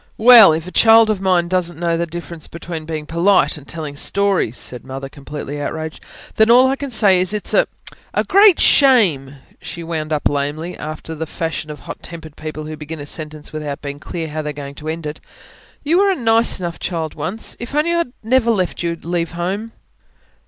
"Well, if a child of mine doesn't know the difference between being polite and telling stories," said Mother, completely outraged, "then, all I can say is, it's a ... a great shame!" she wound up lamely, after the fashion of hot tempered people who begin a sentence without being clear how they are going to end it. "You were a nice enough child once. If only I'd never let you leave home."